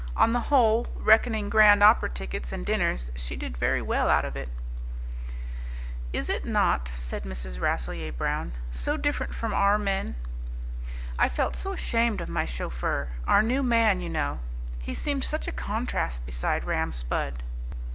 On the whole, reckoning Grand Opera tickets and dinners, she did very well out of it. "Is it not?" said Mrs. Rasselyer Brown. "So different from our men. I felt so ashamed of my chauffeur, our new man, you know; he seemed such a contrast beside Ram Spudd.